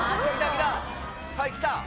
はいきた！